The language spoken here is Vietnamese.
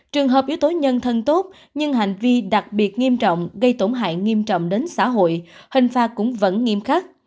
trường hợp yếu tố nhân thân tốt nhưng hành vi đặc biệt nghiêm trọng gây tổn hại nghiêm trọng đến xã hội hình phạt cũng vẫn nghiêm khắc